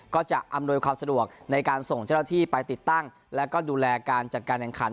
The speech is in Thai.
จะอำนวยความสะดวกในการส่งเจ้าหน้าที่ไปติดตั้งแล้วก็ดูแลการจัดการแข่งขัน